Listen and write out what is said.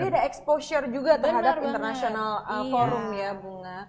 jadi ada exposure juga terhadap international forum ya bunga